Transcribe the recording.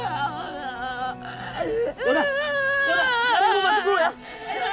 yona cari rumah dulu ya